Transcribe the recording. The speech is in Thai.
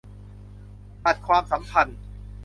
ตัดความสัมพันธ์